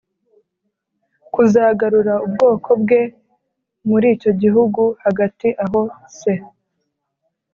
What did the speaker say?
kuzagarura ubwoko bwe muri icyo gihugu Hagati aho se